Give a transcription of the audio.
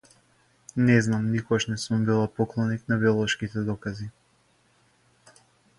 Не знам, никогаш не сум била поклоник на биолошките докази.